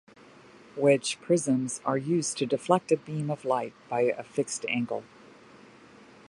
Wedge prisms are used to deflect a beam of light by a fixed angle.